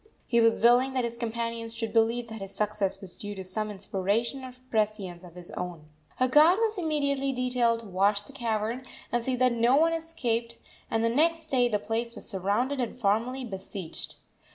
He was willing that his companions should believe that his success was due to some inspiration or prescience of his own. A guard was immediately detailed to watch the cavern and see that no one escaped, and the next day the place was surrounded and formally besieged.